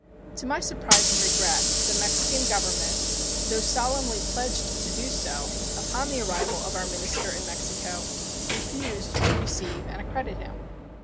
To my surprise and regret the Mexican Government, though solemnly pledged to do so, upon the arrival of our minister in Mexico refused to receive and accredit him.